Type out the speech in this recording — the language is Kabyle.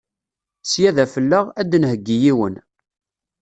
Sya d afella, ad d-nheggi yiwen.